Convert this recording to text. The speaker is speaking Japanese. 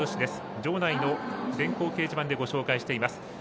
場内の電光掲示板でご紹介しています。